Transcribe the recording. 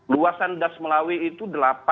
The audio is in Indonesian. luasan das melawi itu